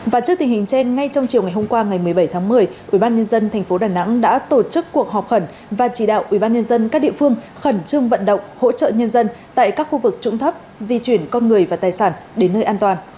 và trước tình hình trên ngay trong chiều ngày hôm qua ngày một mươi bảy tháng một mươi ubnd tp đà nẵng đã tổ chức cuộc họp khẩn và chỉ đạo ubnd các địa phương khẩn trương vận động hỗ trợ nhân dân tại các khu vực trũng thấp di chuyển con người và tài sản đến nơi an toàn